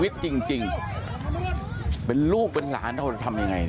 มีชีวิตจริงเป็นลูกเป็นหลานเราจะทำยังไง